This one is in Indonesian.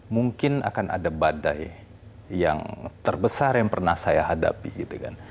mungkin akan ada badai yang terbesar yang pernah saya hadapi gitu kan